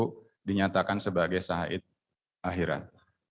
itu dinyatakan sebagai said akhirat